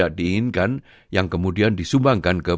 yang biasanya ada cara untuk mengakses